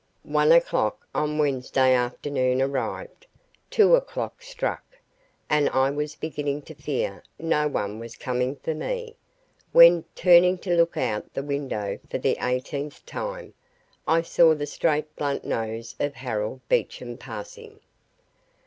One o'clock on Wednesday afternoon arrived; two o'clock struck, and I was beginning to fear no one was coming for me, when, turning to look out the window for the eighteenth time, I saw the straight blunt nose of Harold Beecham passing.